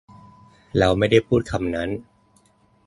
เราไม่ได้พูดคำนั้น